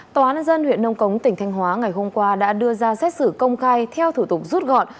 tòa án nhân dân huyện nông cống tỉnh thanh hóa ngày hôm qua đã đưa ra xét xử công khai theo thủ tục rút gọn